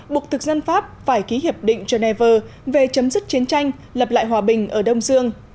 buộc thực dân pháp phải ký hiệp định geneva về chấm dứt chiến tranh lập lại hòa bình ở đông dương